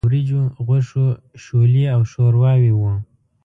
د وریجو، غوښو، شولې او ښورواوې وو.